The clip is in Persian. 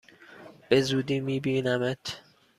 به زودی می بینمت!